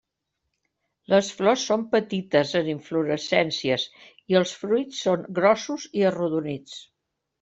Les flors són petites en inflorescències i els fruits són grossos i arrodonits.